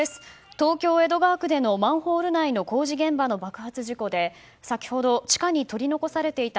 東京・江戸川区でのマンホール内の工事現場の爆発事故で先ほど地下に取り残されていた